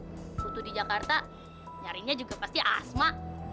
lagipula kalau ada putu di jakarta nyarinya juga pasti asma